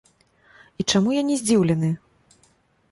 І чаму я не здзіўлены?